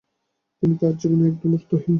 তার জীবন ছিল একদম অর্থহীন।